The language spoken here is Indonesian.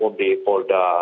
dirp di polda